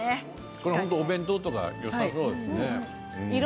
これお弁当とかよさそうですね。